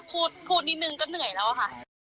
พูดนิดนึงก็เหนื่อยแล้วค่ะ